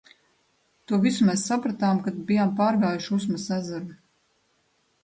To visu mēs sapratām, kad bijām pārgājuši Usmas ezeru.